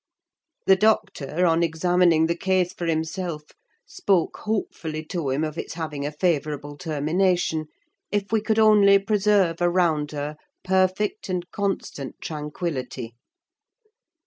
The doctor, on examining the case for himself, spoke hopefully to him of its having a favourable termination, if we could only preserve around her perfect and constant tranquillity.